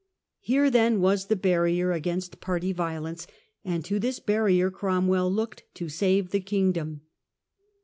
Here then was the barrier against party violence, and to this barrier Cromwell looked to save the kingdom.